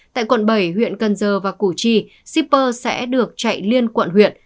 tại quận bảy huyện cần giờ và củ chi shipper sẽ được chạy liên quận huyện